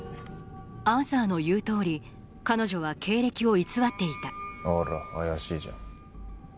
アーサーの言う通り彼女は経歴を偽っていたあら怪しいじゃん。